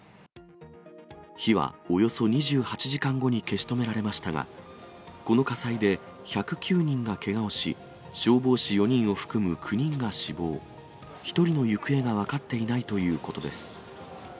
火はおよそ２８時間後に消し止められましたが、この火災で１０９人がけがをし、消防士４人を含む９人が死亡、１人の行方が分かっていないということです。